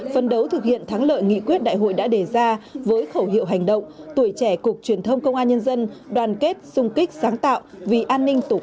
phân đấu thực hiện thắng lợi nghị quyết đại hội đã đề ra với khẩu hiệu hành động tuổi trẻ cục truyền thông công an nhân dân đoàn kết sung kích sáng tạo vì an ninh tổ quốc